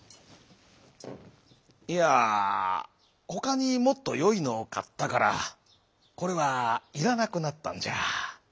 「いやほかにもっとよいのをかったからこれはいらなくなったんじゃ」。